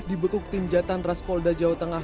dibekuk tinjatan raspolda jawa tengah